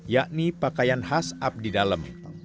yakni pakaian khas abdi dalam